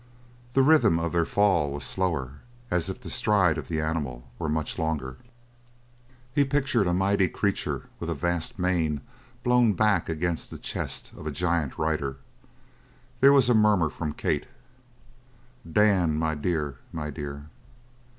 The rhythm of their fall was slower, as if the stride of the animal were much longer. He pictured a mighty creature with a vast mane blown back against the chest of a giant rider. There was a murmur from Kate: "Dan, my dear, my dear!"